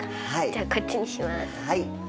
じゃあこっちにします。